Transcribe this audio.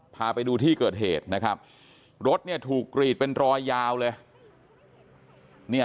พาไปดูที่เกิดเหตุนะครับรถถูกกรีดเป็นรอยยาวเลย